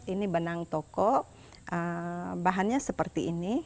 ini benang toko bahannya seperti ini